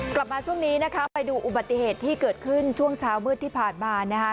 กลับมาช่วงนี้นะคะไปดูอุบัติเหตุที่เกิดขึ้นช่วงเช้ามืดที่ผ่านมานะคะ